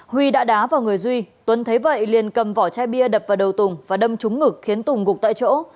huy đã đá vào người duy tuấn thấy vậy liền cầm vỏ chai bia đập vào đầu tùng và đâm trúng ngực khiến tùng gục tại chỗ